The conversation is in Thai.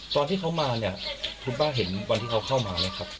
ตอนที่เขามาเนี่ยคุณป้าเห็นวันที่เขาเข้ามาไหมครับ